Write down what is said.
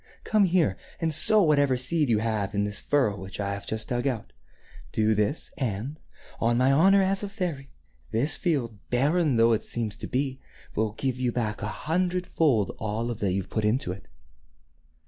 Come here and sow whatever seed you have in this furrow which I have just dug out. Do this, and, on my honor as a fairy, this field, barren though it seems to be, will give you back a hundred fold of all that you put into it."